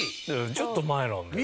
ちょっと前なんだよな。